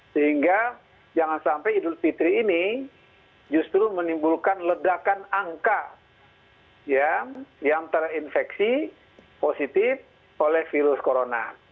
sehingga jangan sampai idul fitri ini justru menimbulkan ledakan angka yang terinfeksi positif oleh virus corona